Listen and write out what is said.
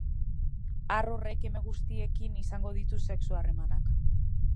Ar horrek eme guztiekin izango ditu sexu-harremanak.